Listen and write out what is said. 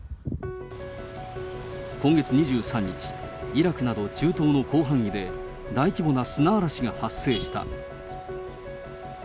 今月２３日、イラクなど中東の広範囲で、大規模な砂嵐が発生した。